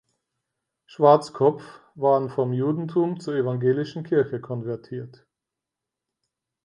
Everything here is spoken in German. Schwarzkopf" waren vom Judentum zur evangelischen Kirche konvertiert.